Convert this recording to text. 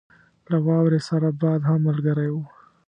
له واورې سره باد هم ملګری وو.